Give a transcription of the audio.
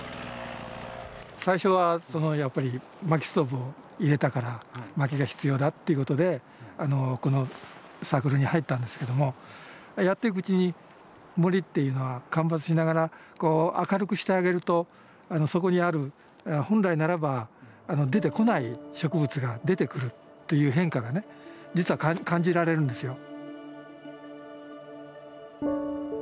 最初はやっぱり薪ストーブを入れたから薪が必要だっていうことでこのサークルに入ったんですけどもやっていくうちに森っていうのは間伐しながらこう明るくしてあげるとそこにある本来ならば出てこない植物が出てくるっていう変化がね実は感じられるんですよ。